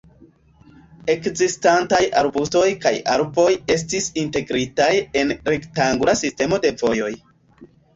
Ekzistantaj arbustoj kaj arboj estis integritaj en rektangula sistemo de vojoj.